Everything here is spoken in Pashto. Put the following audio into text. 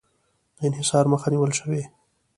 د انحصار مخه نیول شوې؟